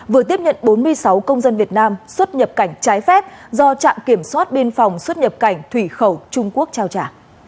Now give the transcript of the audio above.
vừa tiếp nhận bốn mươi sáu công dân việt nam xuất nhập cảnh trái phép do trạm kiểm soát biên phòng xuất nhập cảnh thủy khẩu trung quốc trao trả